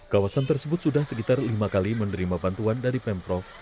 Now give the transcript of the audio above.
kawasan tersebut sudah sekitar lima kali menerima bantuan dari pemprov